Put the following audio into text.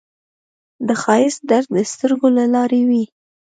د ښایست درک د سترګو له لارې وي